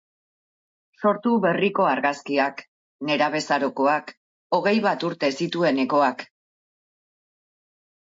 Sortu berriko argazkiak, nerabezarokoak, hogei bat urte zituenekoak...